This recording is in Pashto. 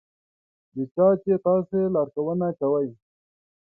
د چا چې تاسې لارښوونه کوئ.